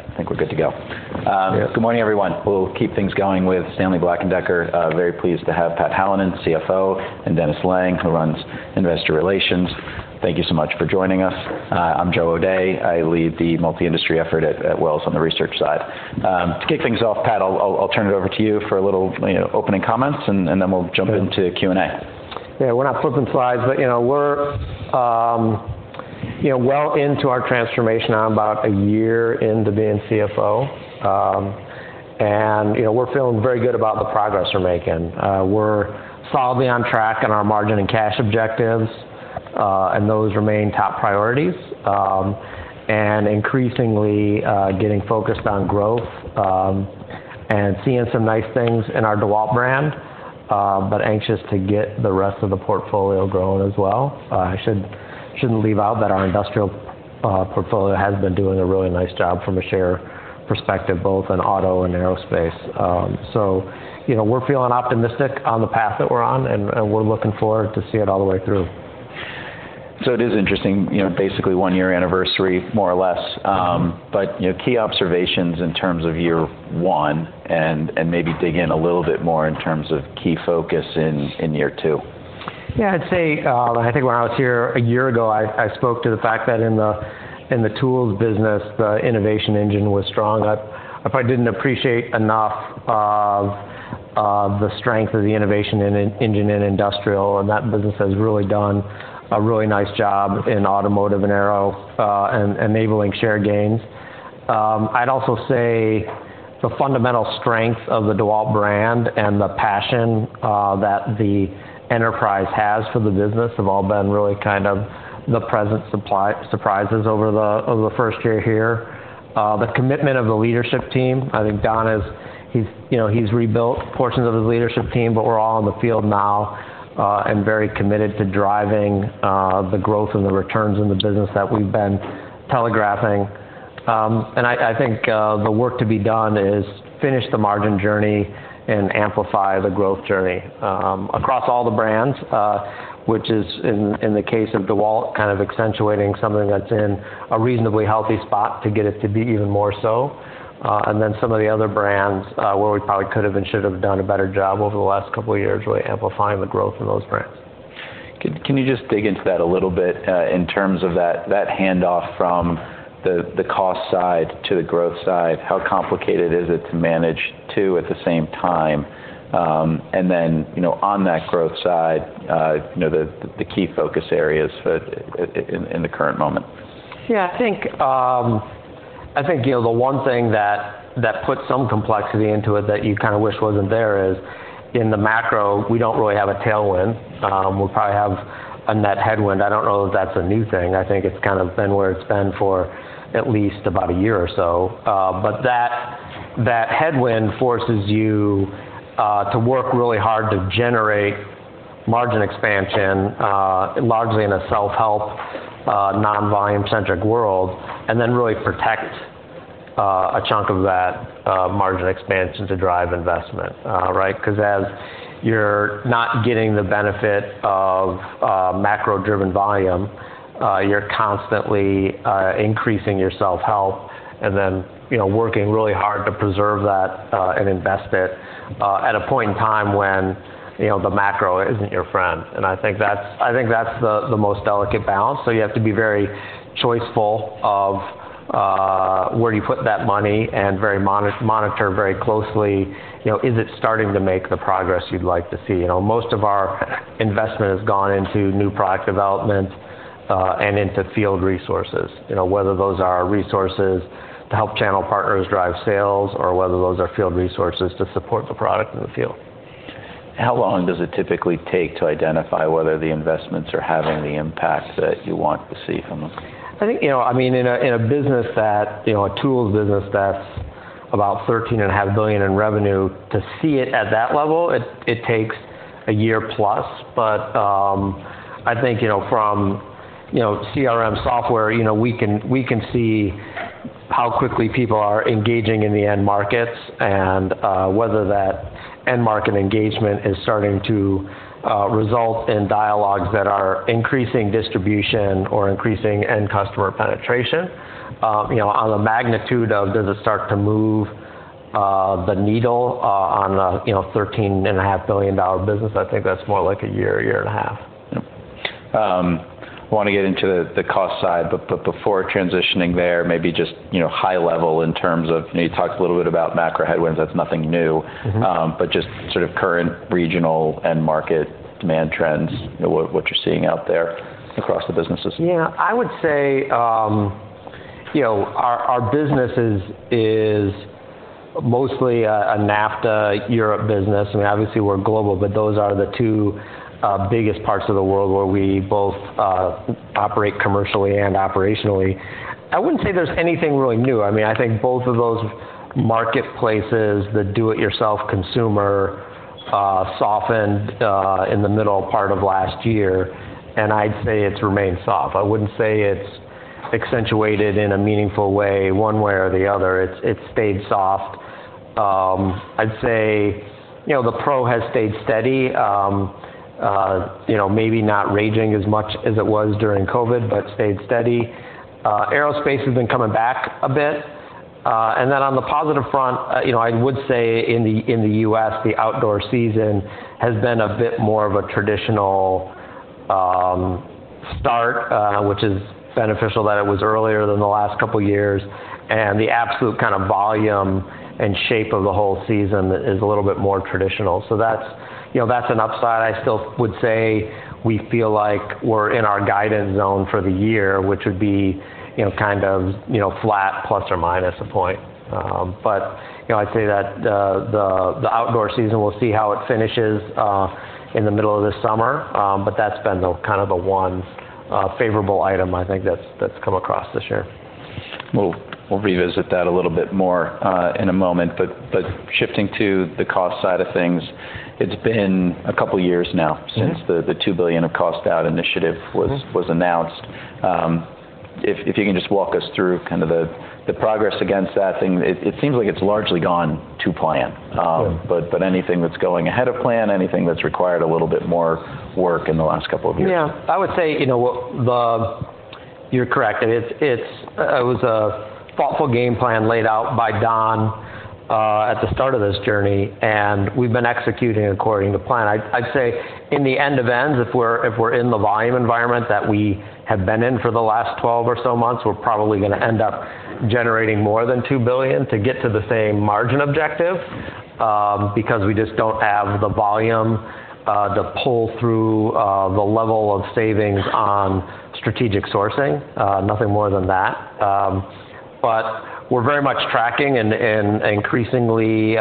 I think we're good to go. Good morning, everyone. We'll keep things going with Stanley Black & Decker. Very pleased to have Pat Hallinan, CFO, and Dennis Lange, who runs Investor Relations. Thank you so much for joining us. I'm Joe O'Dea. I lead the multi-industry effort at Wells on the research side. To kick things off, Pat, I'll turn it over to you for a little, you know, opening comments, and then we'll jump into Q&A. Yeah, we're not flipping slides, but, you know, we're, you know, well into our transformation. I'm about a year into being CFO. And, you know, we're feeling very good about the progress we're making. We're solidly on track on our margin and cash objectives, and those remain top priorities. And increasingly, getting focused on growth, and seeing some nice things in our DEWALT brand, but anxious to get the rest of the portfolio growing as well. I shouldn't leave out that our industrial portfolio has been doing a really nice job from a share perspective, both in auto and aerospace. So, you know, we're feeling optimistic on the path that we're on, and we're looking forward to see it all the way through. It is interesting, you know, basically 1-year anniversary, more or less. Mm-hmm. But, you know, key observations in terms of year one, and maybe dig in a little bit more in terms of key focus in year two. Yeah, I'd say, I think when I was here a year ago, I spoke to the fact that in the tools business, the innovation engine was strong. I probably didn't appreciate enough the strength of the innovation engine in industrial, and that business has really done a really nice job in automotive and aero, enabling share gains. I'd also say the fundamental strength of the DEWALT brand and the passion that the enterprise has for the business have all been really kind of the pleasant surprises over the first year here. The commitment of the leadership team, I think Don is—he's, you know, he's rebuilt portions of the leadership team, but we're all in the field now, and very committed to driving, the growth and the returns in the business that we've been telegraphing. And I think, the work to be done is finish the margin journey and amplify the growth journey, across all the brands, which is, in, in the case of DEWALT, kind of accentuating something that's in a reasonably healthy spot to get it to be even more so. And then some of the other brands, where we probably could have and should have done a better job over the last couple of years, really amplifying the growth in those brands. Can you just dig into that a little bit, in terms of that handoff from the cost side to the growth side? How complicated is it to manage two at the same time, and then, you know, on that growth side, you know, the key focus areas for, in the current moment? Yeah, I think, you know, the one thing that puts some complexity into it that you kind of wish wasn't there is, in the macro, we don't really have a tailwind. We probably have a net headwind. I don't know if that's a new thing. I think it's kind of been where it's been for at least about a year or so. But that headwind forces you to work really hard to generate margin expansion, largely in a self-help, non-volume-centric world, and then really protect a chunk of that margin expansion to drive investment, right? Because as you're not getting the benefit of macro-driven volume, you're constantly increasing your self-help and then, you know, working really hard to preserve that and invest it at a point in time when, you know, the macro isn't your friend. And I think that's the most delicate balance. So you have to be very choiceful of where you put that money and very monitor very closely, you know, is it starting to make the progress you'd like to see? You know, most of our investment has gone into new product development and into field resources, you know, whether those are resources to help channel partners drive sales, or whether those are field resources to support the product in the field. How long does it typically take to identify whether the investments are having the impact that you want to see from them? I think, you know, I mean, in a business that, you know, a tools business that's about $13.5 billion in revenue, to see it at that level, it takes a year plus. But, I think, you know, from, you know, CRM software, you know, we can, we can see how quickly people are engaging in the end markets and whether that end market engagement is starting to result in dialogues that are increasing distribution or increasing end customer penetration. You know, on the magnitude of does it start to move the needle on, you know, $13.5 billion business, I think that's more like a year, a year and a half. I want to get into the cost side, but before transitioning there, maybe just, you know, high level in terms of... You know, you talked a little bit about macro headwinds, that's nothing new. Mm-hmm. But just sort of current regional end market demand trends, you know, what you're seeing out there across the businesses? Yeah. I would say, you know, our business is mostly a NAFTA-Europe business, and obviously, we're global, but those are the two biggest parts of the world where we both operate commercially and operationally. I wouldn't say there's anything really new. I mean, I think both of those marketplaces, the do-it-yourself consumer softened in the middle part of last year, and I'd say it's remained soft. I wouldn't say it's accentuated in a meaningful way, one way or the other. It's stayed soft. I'd say, you know, the ro has stayed steady, you know, maybe not raging as much as it was during COVID, but stayed steady. Aerospace has been coming back a bit. And then on the positive front, you know, I would say in the U.S., the outdoor season has been a bit more of a traditional start, which is beneficial that it was earlier than the last couple of years, and the absolute kind of volume and shape of the whole season is a little bit more traditional. So that's, you know, that's an upside. I still would say we feel like we're in our guidance zone for the year, which would be, you know, kind of, you know, flat ±1 point. But, you know, I'd say that the outdoor season, we'll see how it finishes in the middle of this summer. But that's been the kind of the one favorable item I think that's come across this year. We'll revisit that a little bit more in a moment. But shifting to the cost side of things, it's been a couple of years now- Mm-hmm. since the $2 billion of cost out initiative was, Mm-hmm. was announced. If you can just walk us through kind of the progress against that thing. It seems like it's largely gone to plan. Sure. But anything that's going ahead of plan, anything that's required a little bit more work in the last couple of years? Yeah. I would say, you know what? You're correct. It was a thoughtful game plan laid out by Don at the start of this journey, and we've been executing according to plan. I'd say in the end of ends, if we're in the volume environment that we have been in for the last 12 or so months, we're probably gonna end up generating more than $2 billion to get to the same margin objective, because we just don't have the volume to pull through the level of savings on strategic sourcing. Nothing more than that. But we're very much tracking and increasingly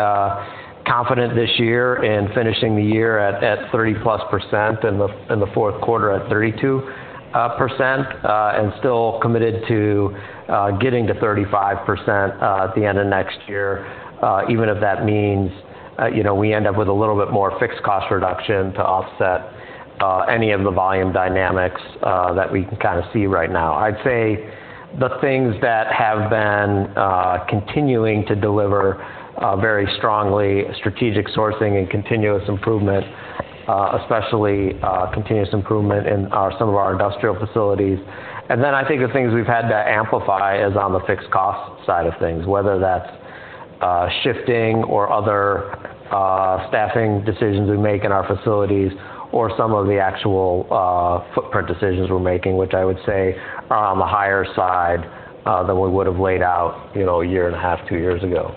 confident this year in finishing the year at 30%+, in the fourth quarter at 32%, and still committed to getting to 35% at the end of next year, even if that means, you know, we end up with a little bit more fixed cost reduction to offset any of the volume dynamics that we can kind of see right now. I'd say the things that have been continuing to deliver very strongly, strategic sourcing and continuous improvement, especially continuous improvement in some of our industrial facilities. And then I think the things we've had to amplify is on the fixed cost side of things, whether that's shifting or other staffing decisions we make in our facilities or some of the actual footprint decisions we're making, which I would say are on the higher side than we would have laid out, you know, a year and a half, two years ago.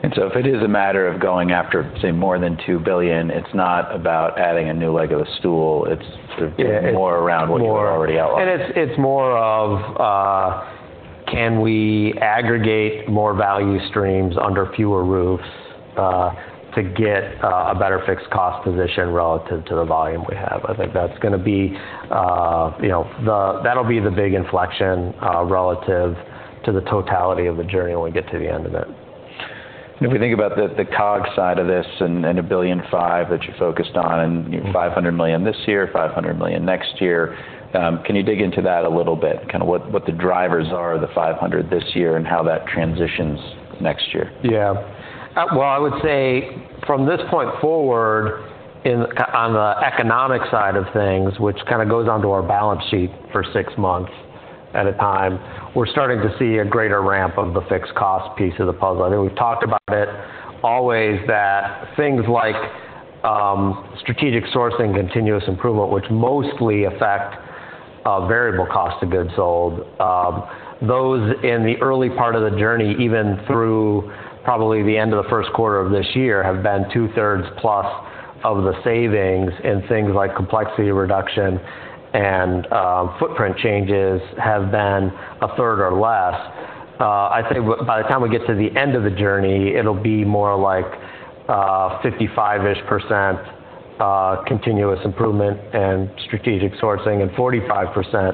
And so if it is a matter of going after, say, more than $2 billion, it's not about adding a new leg of a stool, it's sort of- Yeah. -more around what you already outlined. And it's more of, can we aggregate more value streams under fewer roofs to get a better fixed cost position relative to the volume we have? I think that's gonna be, you know, that'll be the big inflection relative to the totality of the journey when we get to the end of it. If we think about the COGS side of this and $1.5 billion that you focused on- Mm-hmm. and $500 million this year, $500 million next year, can you dig into that a little bit? Kind of what, what the drivers are, the $500 this year, and how that transitions next year. Yeah. Well, I would say from this point forward, on the economic side of things, which kind of goes onto our balance sheet for six months at a time, we're starting to see a greater ramp of the fixed cost piece of the puzzle. I think we've talked about it, always that things like strategic sourcing, continuous improvement, which mostly affect variable cost of goods sold. Those in the early part of the journey, even through probably the end of the first quarter of this year, have been two-thirds plus of the savings, and things like complexity reduction and footprint changes have been a third or less. I think by the time we get to the end of the journey, it'll be more like, 55-ish%, continuous improvement and strategic sourcing, and 45%,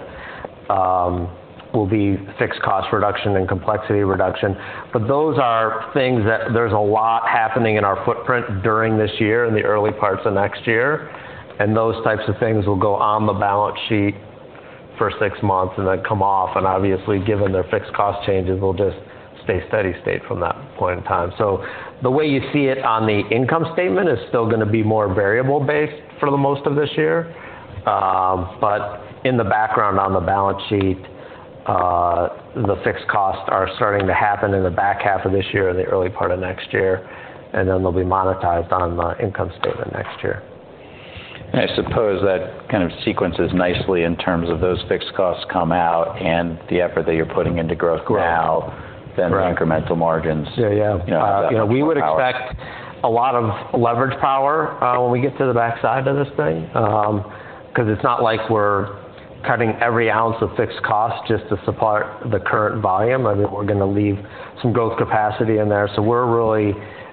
will be fixed cost reduction and complexity reduction. But those are things that there's a lot happening in our footprint during this year and the early parts of next year, and those types of things will go on the balance sheet for six months and then come off, and obviously, given their fixed cost changes, will just stay steady state from that point in time. So the way you see it on the income statement is still gonna be more variable-based for the most of this year. In the background, on the balance sheet, the fixed costs are starting to happen in the back half of this year and the early part of next year, and then they'll be monetized on the income statement next year. I suppose that kind of segues nicely in terms of those fixed costs come out and the effort that you're putting into growth now- Right. Then the incremental margins. Yeah, yeah. You know, more power. We would expect a lot of leverage power when we get to the backside of this thing. Because it's not like we're cutting every ounce of fixed cost just to support the current volume. I think we're gonna leave some growth capacity in there, so we're really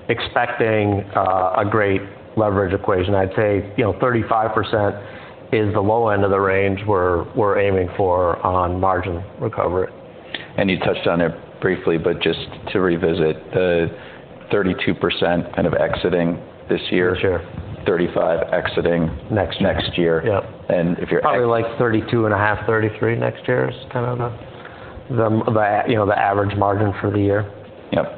expecting a great leverage equation. I'd say, you know, 35% is the low end of the range we're aiming for on margin recovery. You touched on it briefly, but just to revisit, the 32% kind of exiting this year. Sure. Thirty-five exiting- Next year. -next year. Yep. And if you're- Probably like 32.5-33 next year is kind of the, you know, the average margin for the year. Yep.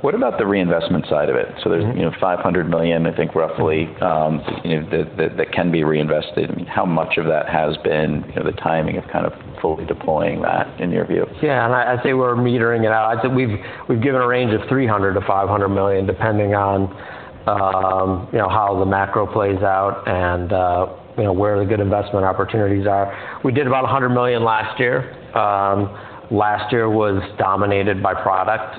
What about the reinvestment side of it? Mm-hmm. So there's, you know, $500 million, I think, roughly, you know, that can be reinvested. I mean, how much of that has been, you know, the timing of kind of fully deploying that, in your view? Yeah, and I'd say we're metering it out. I'd say we've given a range of $300 million-$500 million, depending on, you know, how the macro plays out and, you know, where the good investment opportunities are. We did about $100 million last year. Last year was dominated by product.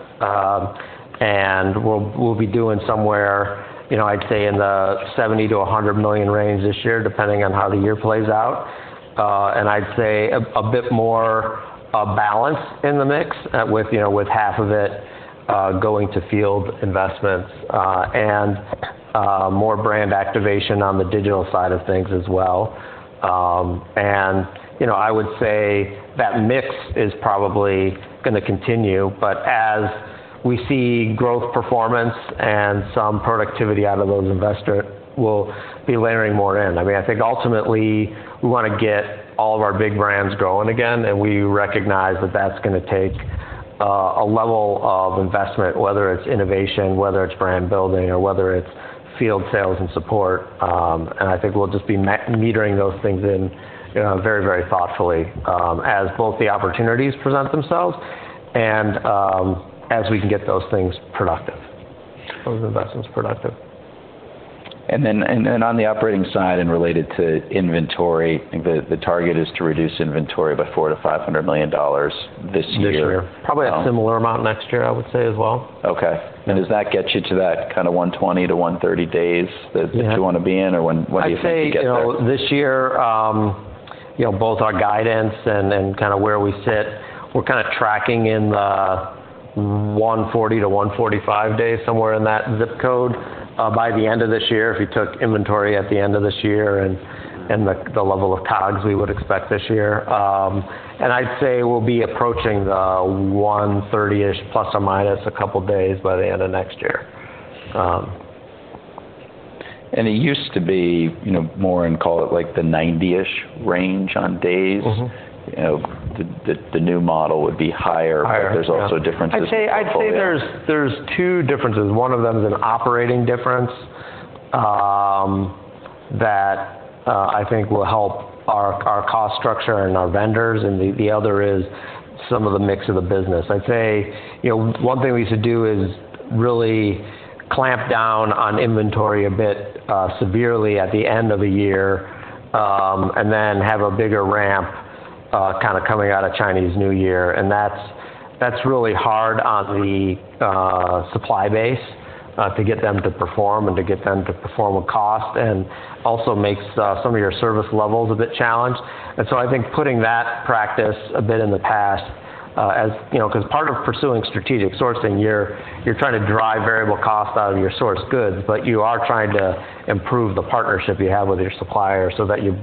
And we'll be doing somewhere, you know, I'd say in the $70 million-$100 million range this year, depending on how the year plays out. And I'd say a bit more of balance in the mix, with, you know, with half of it going to field investments, and more brand activation on the digital side of things as well. And, you know, I would say that mix is probably gonna continue, but as we see growth performance and some productivity out of those investments, we'll be layering more in. I mean, I think ultimately, we wanna get all of our big brands growing again, and we recognize that that's gonna take a level of investment, whether it's innovation, whether it's brand building, or whether it's field sales and support. And I think we'll just be metering those things in, you know, very, very thoughtfully, as both the opportunities present themselves and as we can get those things productive, those investments productive. On the operating side and related to inventory, I think the target is to reduce inventory by $400 million-$500 million this year. This year. Um- Probably a similar amount next year, I would say as well. Okay. Yeah. Does that get you to that kind of 120-130 days- Yeah... that you wanna be in, or when, when do you think you get there? I'd say, you know, this year, you know, both our guidance and kind of where we sit, we're kind of tracking in the 140 days-145 days, somewhere in that ZIP code, by the end of this year, if you took inventory at the end of this year and the level of COGS we would expect this year. And I'd say we'll be approaching the 130-ish, ± a couple of days, by the end of next year. It used to be, you know, more in, call it, like the 90-ish range on days. Mm-hmm. You know, the new model would be higher- Higher... but there's also differences in portfolio. I'd say there's two differences. One of them is an operating difference that I think will help our cost structure and our vendors, and the other is some of the mix of the business. I'd say, you know, one thing we should do is really clamp down on inventory a bit severely at the end of the year and then have a bigger ramp kind of coming out of Chinese New Year. And that's really hard on the supply base to get them to perform and to get them to perform on cost, and also makes some of your service levels a bit challenged. And so I think putting that practice a bit in the past as... You know, because part of pursuing strategic sourcing, you're trying to drive variable cost out of your sourced goods, but you are trying to improve the partnership you have with your supplier so that you're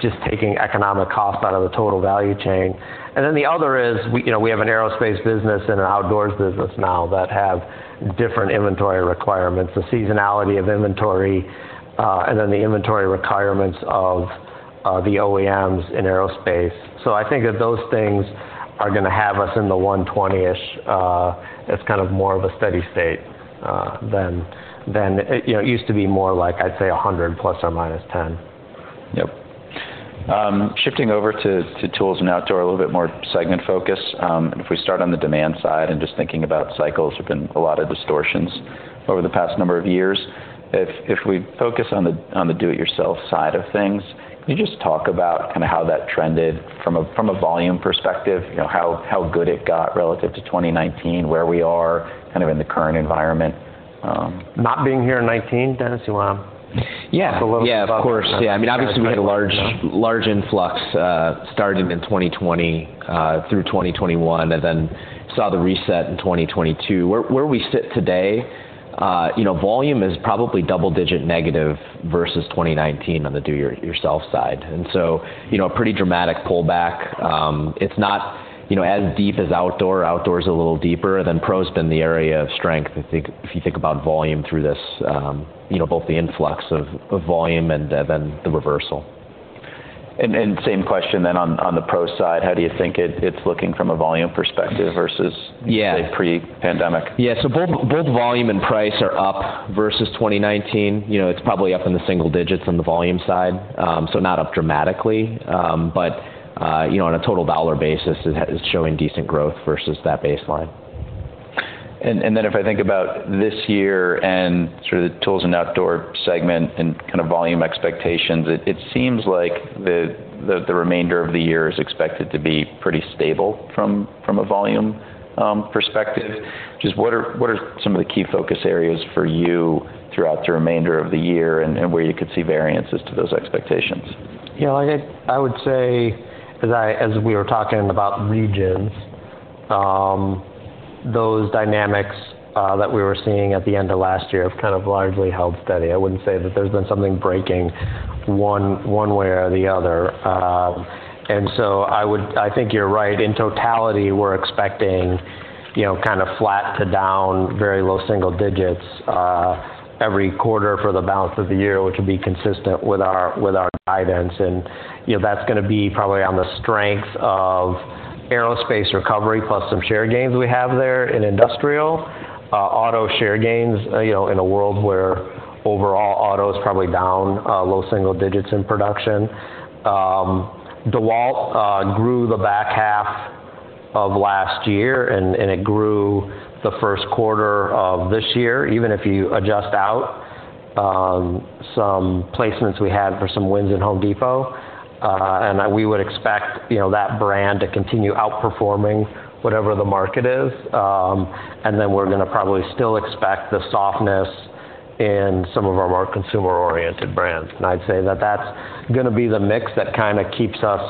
just taking economic cost out of the total value chain. And then the other is, we, you know, we have an aerospace business and an outdoors business now that have different inventory requirements, the seasonality of inventory, and then the inventory requirements of the OEMs in aerospace. So I think that those things are gonna have us in the 120-ish, as kind of more of a steady state, than— You know, it used to be more like, I'd say, 100 ± 10. Yep. Shifting over to tools and outdoor, a little bit more segment focus. If we start on the demand side and just thinking about cycles, there've been a lot of distortions over the past number of years. If we focus on the do-it-yourself side of things, can you just talk about kind of how that trended from a volume perspective? You know, how good it got relative to 2019, where we are kind of in the current environment? Not being here in 2019, Dennis, do you wanna- Yeah. Talk a little about- Yeah, of course. Yeah, I mean, obviously, we had a large- You know... large influx starting in 2020 through 2021, and then saw the reset in 2022. Where we sit today, you know, volume is probably double-digit negative versus 2019 on the do-it-yourself side, and so, you know, a pretty dramatic pullback. It's not, you know, as deep as outdoor. Outdoor is a little deeper, then pro's been the area of strength, I think, if you think about volume through this, you know, both the influx of volume and then the reversal. And same question then on the pro side, how do you think it's looking from a volume perspective versus- Yeah... say, pre-pandemic? Yeah. So both, both volume and price are up versus 2019. You know, it's probably up in the single digits on the volume side. So not up dramatically, but, you know, on a total dollar basis, it's showing decent growth versus that baseline. And then if I think about this year and sort of the tools and outdoor segment and kind of volume expectations, it seems like the remainder of the year is expected to be pretty stable from a volume perspective. Just what are some of the key focus areas for you throughout the remainder of the year and where you could see variances to those expectations? You know, I would say, as we were talking about regions, those dynamics that we were seeing at the end of last year have kind of largely held steady. I wouldn't say that there's been something breaking one way or the other. And so I think you're right. In totality, we're expecting you know, kind of flat to down, very low single digits, every quarter for the balance of the year, which would be consistent with our guidance. And you know, that's going to be probably on the strength of aerospace recovery, plus some share gains we have there in industrial. Auto share gains, you know, in a world where overall auto is probably down, low single digits in production. DEWALT grew the back half of last year, and it grew the first quarter of this year, even if you adjust out some placements we had for some wins in Home Depot. We would expect, you know, that brand to continue outperforming whatever the market is. Then we're gonna probably still expect the softness in some of our more consumer-oriented brands. I'd say that that's gonna be the mix that kind of keeps us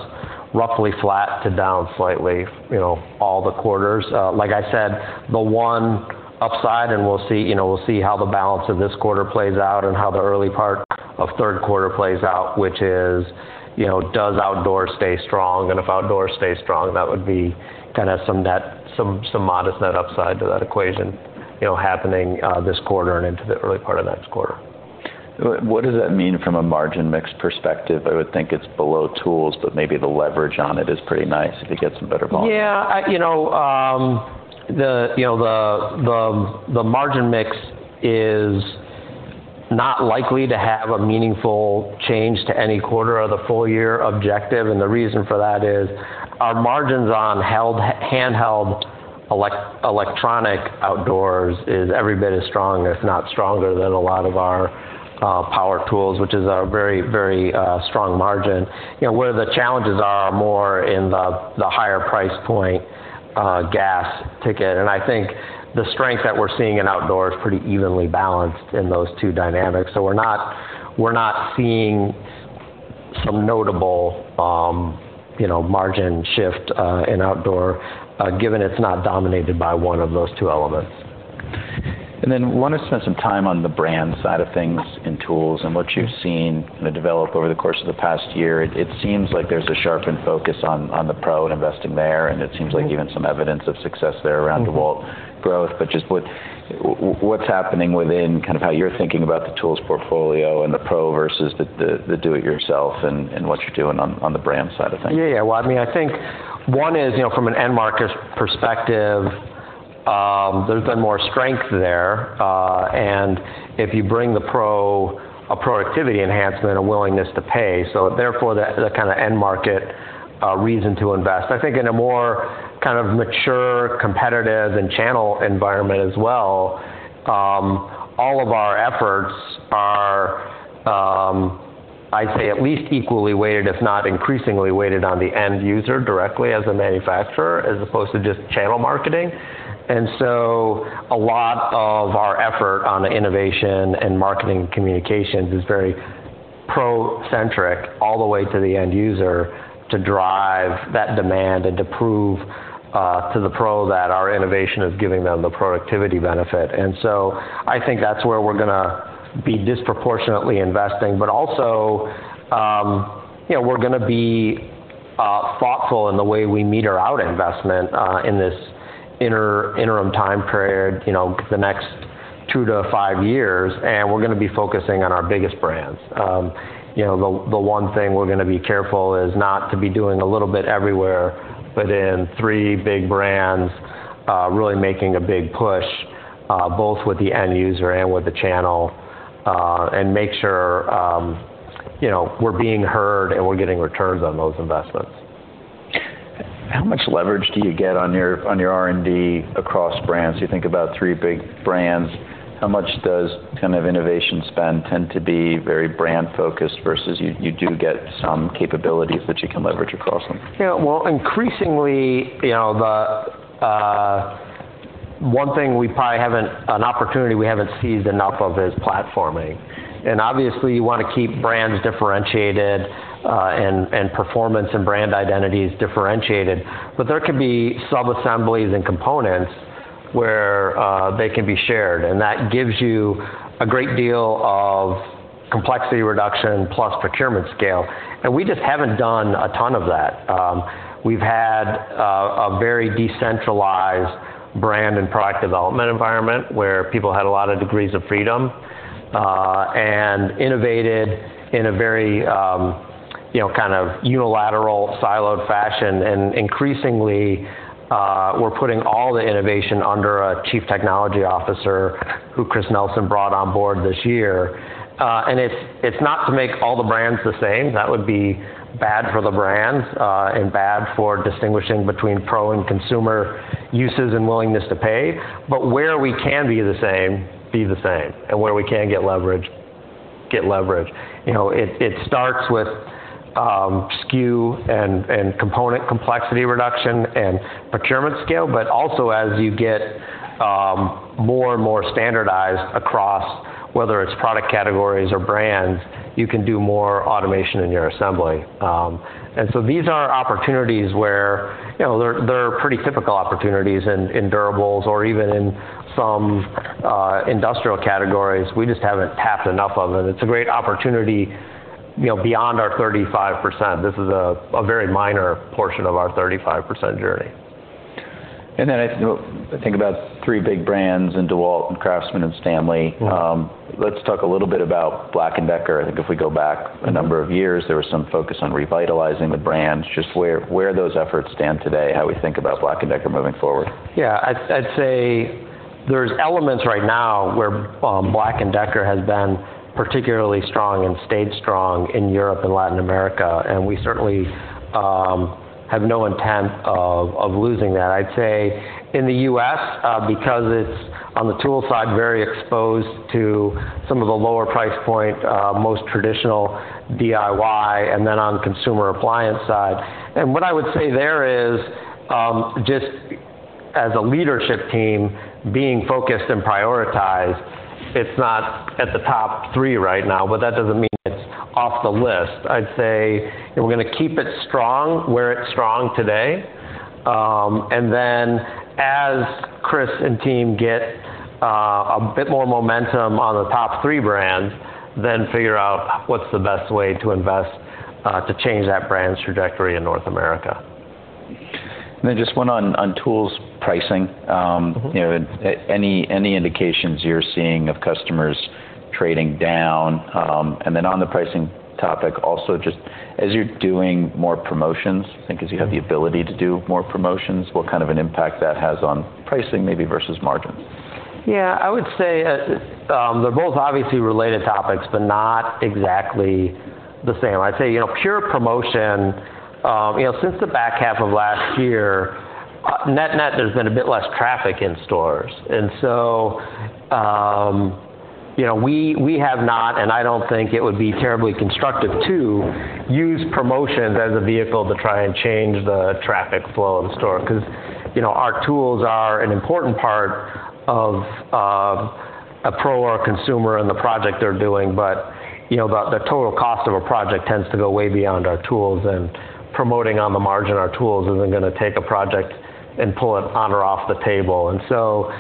roughly flat to down slightly, you know, all the quarters. Like I said, the one upside, and we'll see, you know, we'll see how the balance of this quarter plays out and how the early part of third quarter plays out, which is, you know, does outdoor stay strong? If outdoor stays strong, that would be kind of some modest net upside to that equation, you know, happening this quarter and into the early part of next quarter. What does that mean from a margin mix perspective? I would think it's below tools, but maybe the leverage on it is pretty nice if you get some better volume. Yeah, you know, the margin mix is not likely to have a meaningful change to any quarter or the full year objective, and the reason for that is our margins on handheld electronic outdoors is every bit as strong, if not stronger, than a lot of our power tools, which is a very, very strong margin. You know, where the challenges are more in the higher price point gas ticket. And I think the strength that we're seeing in outdoor is pretty evenly balanced in those two dynamics. So we're not seeing some notable, you know, margin shift in outdoor, given it's not dominated by one of those two elements. And then want to spend some time on the brand side of things in tools and what you've seen, kind of, develop over the course of the past year. It seems like there's a sharpened focus on, on the Pro and investing there, and it seems like even some evidence of success there around DEWALT growth. But just what, what's happening within, kind of how you're thinking about the tools portfolio and the Pro versus the, the do-it-yourself, and, and what you're doing on, on the brand side of things? Yeah, yeah. Well, I mean, I think one is, you know, from an end market perspective, there's been more strength there. And if you bring the pro a productivity enhancement, a willingness to pay, so therefore, the kind of end market reason to invest. I think in a more kind of mature, competitive, and channel environment as well, all of our efforts are, I'd say at least equally weighted, if not increasingly weighted, on the end user directly as a manufacturer, as opposed to just channel marketing. And so a lot of our effort on the innovation and marketing communications is very pro-centric all the way to the end user to drive that demand and to prove to the pro that our innovation is giving them the productivity benefit. And so I think that's where we're gonna be disproportionately investing. But also, you know, we're gonna be thoughtful in the way we meter out investment in this interim time period, you know, the next 2-5 years, and we're gonna be focusing on our biggest brands. You know, the one thing we're gonna be careful is not to be doing a little bit everywhere, but in three big brands really making a big push both with the end user and with the channel. And make sure, you know, we're being heard, and we're getting returns on those investments. How much leverage do you get on your, on your R&D across brands? You think about three big brands, how much does kind of innovation spend tend to be very brand focused versus you, you do get some capabilities that you can leverage across them? Yeah. Well, increasingly, you know, the one thing we probably haven't—an opportunity we haven't seized enough of is platforming. And obviously, you want to keep brands differentiated, and, and performance and brand identities differentiated, but there could be subassemblies and components where they can be shared, and that gives you a great deal of complexity reduction plus procurement scale. And we just haven't done a ton of that. We've had a very decentralized brand and product development environment, where people had a lot of degrees of freedom, and innovated in a very, you know, kind of unilateral, siloed fashion. And increasingly, we're putting all the innovation under a chief technology officer, who Chris Nelson brought on board this year. And it's, it's not to make all the brands the same. That would be bad for the brands, and bad for distinguishing between pro and consumer uses and willingness to pay. But where we can be the same, and where we can get leverage. You know, it starts with SKU and component complexity reduction and procurement scale, but also as you get more and more standardized across, whether it's product categories or brands, you can do more automation in your assembly. And so these are opportunities where, you know, they're pretty typical opportunities in durables or even in some industrial categories. We just haven't tapped enough of it. It's a great opportunity, you know, beyond our 35%, this is a very minor portion of our 35% journey. And then I think about three big brands in DEWALT, CRAFTSMAN, and STANLEY. Mm-hmm. Let's talk a little bit about Black & Decker. I think if we go back- Mm-hmm a number of years, there was some focus on revitalizing the brand. Just where those efforts stand today, how we think about Black & Decker moving forward? Yeah, I'd say there's elements right now where Black & Decker has been particularly strong and stayed strong in Europe and Latin America, and we certainly have no intent of losing that. I'd say in the U.S., because it's, on the tool side, very exposed to some of the lower price point, most traditional DIY, and then on the consumer appliance side. And what I would say there is, just as a leadership team being focused and prioritized, it's not at the top three right now, but that doesn't mean it's off the list. I'd say, we're gonna keep it strong where it's strong today. And then, as Chris and team get a bit more momentum on the top three brands, then figure out what's the best way to invest to change that brand's trajectory in North America. And then just one on tools pricing. Mm-hmm. You know, any indications you're seeing of customers trading down? And then on the pricing topic, also, just as you're doing more promotions, I think- Mm-hmm Because you have the ability to do more promotions, what kind of an impact that has on pricing maybe versus margins? Yeah, I would say, they're both obviously related topics, but not exactly the same. I'd say, you know, pure promotion, you know, since the back half of last year, net-net, there's been a bit less traffic in stores. And so, you know, we, we have not, and I don't think it would be terribly constructive to use promotions as a vehicle to try and change the traffic flow of the store. Because, you know, our tools are an important part of, a pro or a consumer and the project they're doing, but, you know, the, the total cost of a project tends to go way beyond our tools, and promoting on the margin our tools isn't gonna take a project and pull it on or off the table. And so,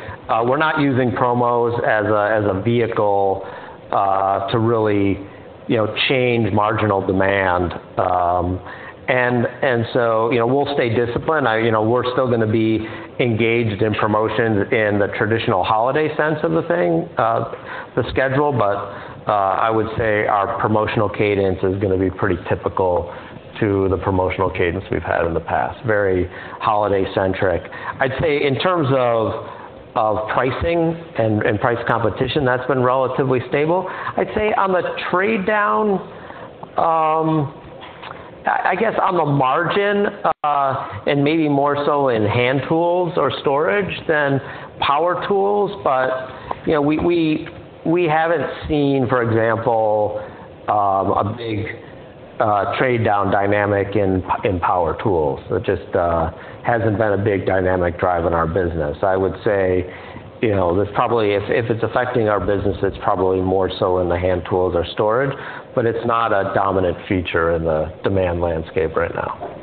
we're not using promos as a vehicle to really, you know, change marginal demand. And so, you know, we'll stay disciplined. You know, we're still gonna be engaged in promotions in the traditional holiday sense of the thing, the schedule, but I would say our promotional cadence is gonna be pretty typical to the promotional cadence we've had in the past, very holiday-centric. I'd say in terms of pricing and price competition, that's been relatively stable. I'd say on the trade down, I guess on the margin, and maybe more so in hand tools or storage than power tools. But, you know, we haven't seen, for example, a big trade down dynamic in power tools. It just hasn't been a big dynamic drive in our business. I would say, you know, that probably... If it's affecting our business, it's probably more so in the hand tools or storage, but it's not a dominant feature in the demand landscape right now.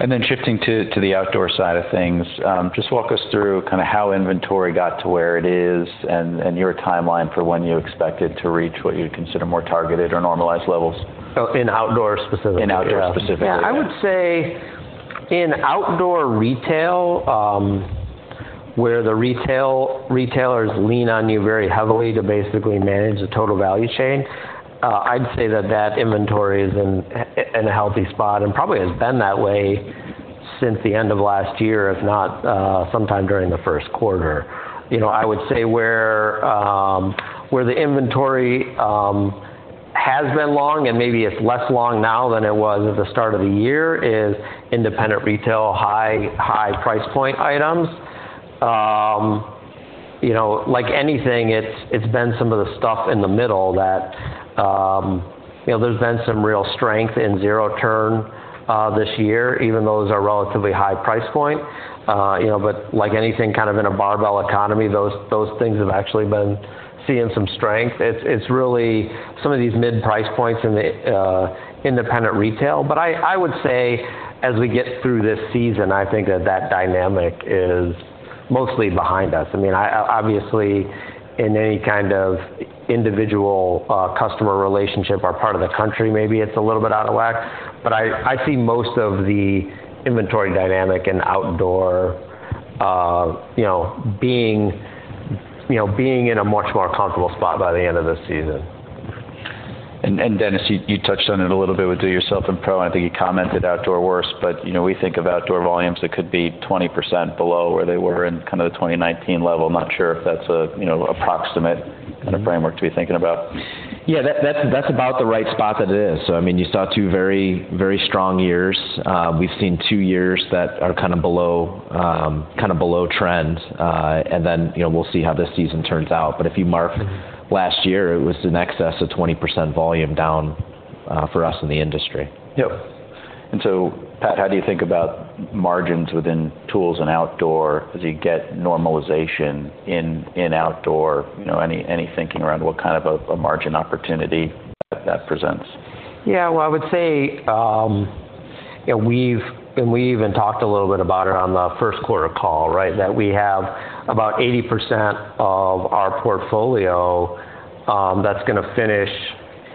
And then shifting to the outdoor side of things, just walk us through kind of how inventory got to where it is and your timeline for when you expected to reach what you'd consider more targeted or normalized levels? Oh, in outdoor specifically? In outdoor specifically. Yeah, I would say in outdoor retail, where the retailers lean on you very heavily to basically manage the total value chain, I'd say that that inventory is in a healthy spot, and probably has been that way since the end of last year, if not, sometime during the first quarter. You know, I would say where the inventory has been long, and maybe it's less long now than it was at the start of the year, is independent retail, high price point items. You know, like anything, it's been some of the stuff in the middle that, you know, there's been some real strength in zero turn this year, even those are relatively high price point. You know, but like anything, kind of in a barbell economy, those, those things have actually been seeing some strength. It's, it's really some of these mid-price points in the independent retail. But I would say, as we get through this season, I think that that dynamic is mostly behind us. I mean, obviously, in any kind of individual customer relationship or part of the country, maybe it's a little bit out of whack, but I see most of the inventory dynamic and outdoor, you know, being, you know, being in a much more comfortable spot by the end of this season. Dennis, you touched on it a little bit with do it yourself and pro. I think you commented outdoor works, but, you know, we think of outdoor volumes that could be 20% below where they were in kind of the 2019 level. I'm not sure if that's, you know, approximate- Mm-hmm kind of framework to be thinking about. Yeah, that's about the right spot that it is. So I mean, you saw two very, very strong years. We've seen two years that are kind of below, kind of below trend. And then, you know, we'll see how this season turns out. But if you mark last year, it was in excess of 20% volume down, for us in the industry. Yep. And so, Pat, how do you think about margins within tools and outdoor as you get normalization in, in outdoor? You know, any, any thinking around what kind of a, a margin opportunity that presents? Yeah, well, I would say. You know, we've, and we even talked a little bit about it on the first quarter call, right? That we have about 80% of our portfolio, that's gonna finish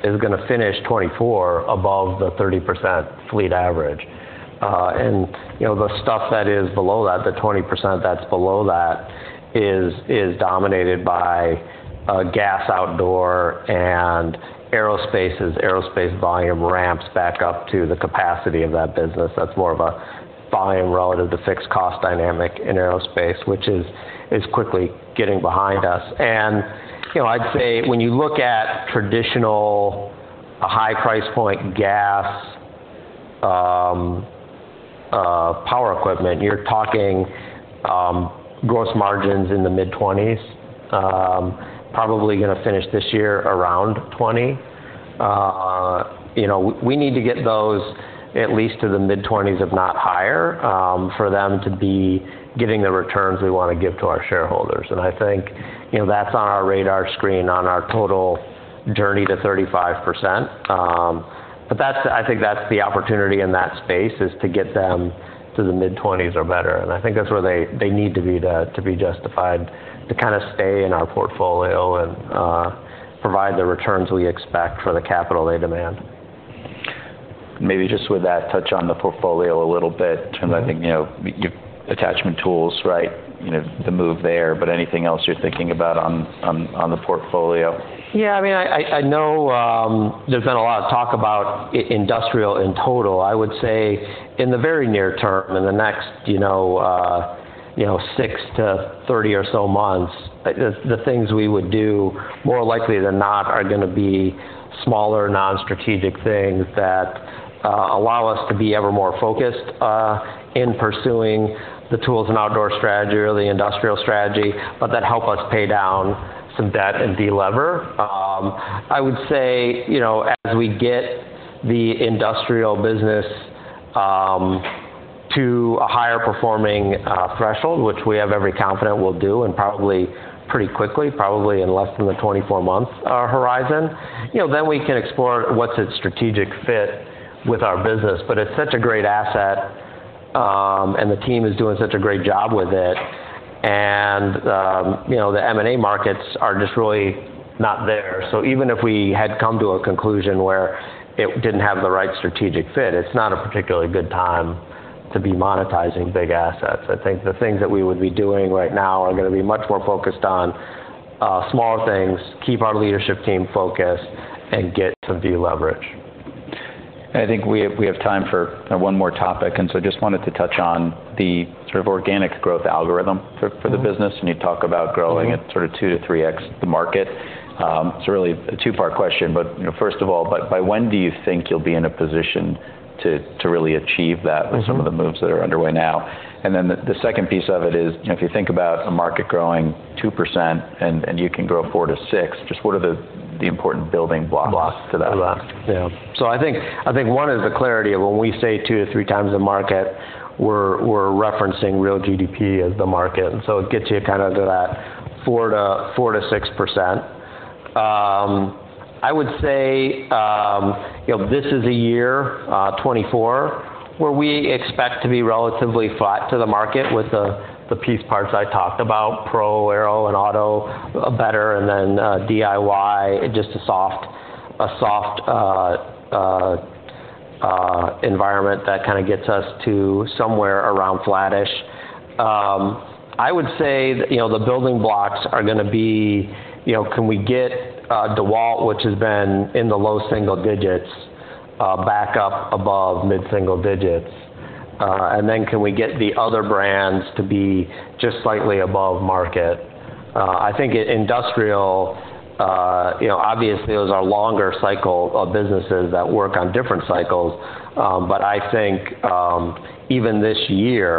2024 above the 30% fleet average. And, you know, the stuff that is below that, the 20% that's below that, is dominated by gas, outdoor, and aerospace. Aerospace volume ramps back up to the capacity of that business. That's more of a volume relative to fixed cost dynamic in aerospace, which is quickly getting behind us. And, you know, I'd say when you look at traditional, a high price point gas power equipment, you're talking gross margins in the mid-20s%. Probably gonna finish this year around 20%. You know, we need to get those at least to the mid-20s%, if not higher, for them to be giving the returns we wanna give to our shareholders. And I think, you know, that's on our radar screen, on our total journey to 35%. But I think that's the opportunity in that space, is to get them to the mid-20s% or better, and I think that's where they need to be to be justified, to kind of stay in our portfolio and provide the returns we expect for the capital they demand. Maybe just with that, touch on the portfolio a little bit, in terms of, I think, you know, your attachment tools, right? You know, the move there, but anything else you're thinking about on the portfolio? Yeah, I mean, I know there's been a lot of talk about industrial in total. I would say, in the very near term, in the next, you know, 6-30 or so months, the things we would do, more likely than not, are gonna be smaller, non-strategic things that allow us to be ever more focused in pursuing the tools and outdoor strategy or the industrial strategy, but that help us pay down some debt and delever. I would say, you know, as we get the industrial business to a higher performing threshold, which we have every confidence we'll do, and probably pretty quickly, probably in less than the 24 months horizon, you know, then we can explore what's its strategic fit with our business. But it's such a great asset, and the team is doing such a great job with it. And, you know, the M&A markets are just really not there. So even if we had come to a conclusion where it didn't have the right strategic fit, it's not a particularly good time to be monetizing big assets. I think the things that we would be doing right now are gonna be much more focused on, smaller things, keep our leadership team focused, and get some deleverage. I think we have, we have time for one more topic, and so just wanted to touch on the sort of organic growth algorithm for, for the business. When you talk about growing at sort of 2-3x the market, it's really a two-part question. But, you know, first of all, by, by when do you think you'll be in a position to, to really achieve that- Mm-hmm... with some of the moves that are underway now? And then the, the second piece of it is, you know, if you think about a market growing 2% and, and you can grow 4%-6%, just what are the, the important building blocks to that? Blocks, yeah. So I think one is the clarity of when we say 2-3 times the market, we're referencing real GDP as the market, and so it gets you kind of to that 4%-6%. I would say, you know, this is a year, 2024, where we expect to be relatively flat to the market with the piece parts I talked about, pro, aero, and auto better, and then DIY, just a soft environment that kind of gets us to somewhere around flattish. I would say that, you know, the building blocks are gonna be, you know, can we get DEWALT, which has been in the low single digits back up above mid-single digits? And then can we get the other brands to be just slightly above market? I think industrial, you know, obviously, those are longer cycle of businesses that work on different cycles. But I think, even this year-